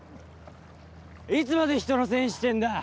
いつまで人のせいにしてんだ